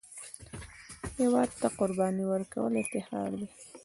هېواد ته قرباني ورکول افتخار دی